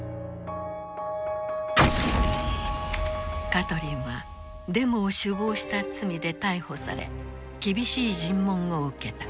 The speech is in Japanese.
カトリンはデモを首謀した罪で逮捕され厳しい尋問を受けた。